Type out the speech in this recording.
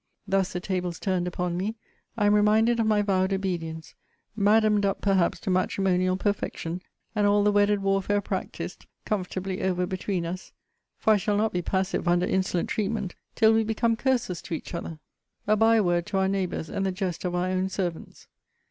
Thus, the tables turned upon me, I am reminded of my vowed obedience; Madam'd up perhaps to matrimonial perfection, and all the wedded warfare practised comfortably over between us, (for I shall not be passive under insolent treatment,) till we become curses to each other, a bye word to our neighbours, and the jest of our own servants.